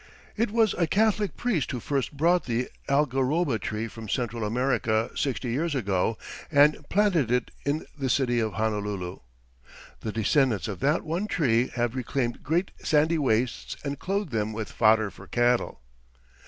It was a Catholic priest who first brought the algaroba tree from Central America sixty years ago and planted it in the city of Honolulu. The descendants of that one tree have reclaimed great sandy wastes and clothed them with fodder for cattle.